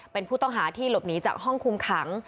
เป็นผู้ต้องหาที่หลบหนีจากห้องคุมขัง